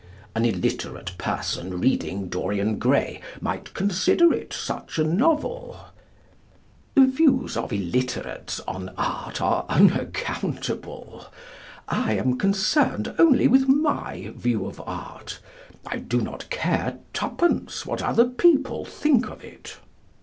An illiterate person reading "Dorian Gray" might consider it such a novel? The views of illiterates on art are unaccountable. I am concerned only with my view of art. I do not care twopence what other people think of it.